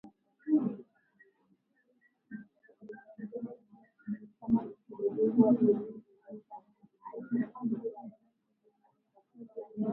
Kama lisingekuwa boksi lililochanwa na kutandikwa angekuwa amelala sakafuni kavukavu